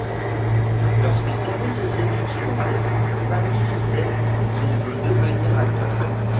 Lorsqu'il termine ses études secondaires, Manny sait qu'il veut devenir acteur.